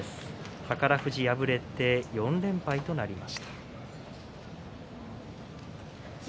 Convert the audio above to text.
宝富士敗れて４連敗となりました。